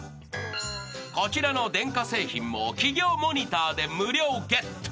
［こちらの電化製品も企業モニターで無料ゲット］